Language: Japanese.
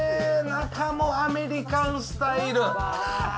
中もアメリカンスタイル。